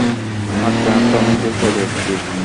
হাঁটতে-হাঁটতে অনেক দূর চলে এসেছি।